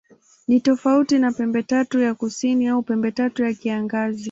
Ni tofauti na Pembetatu ya Kusini au Pembetatu ya Kiangazi.